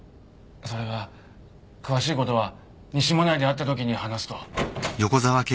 それが詳しいことは西馬音内で会ったときに話すと。